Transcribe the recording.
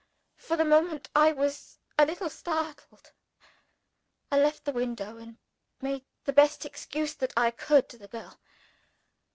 For the moment I was a little startled. I left the window, and made the best excuse that I could to the girl.